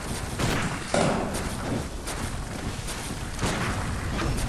En todos los edificios de departamentos se habían instalado equipos de aire acondicionado.